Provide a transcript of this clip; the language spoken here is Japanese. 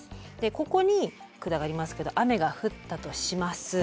ここに管がありますけど雨が降ったとします。